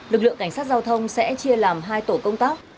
lực lượng cảnh sát giao thông sẽ chia làm hai tổ công tác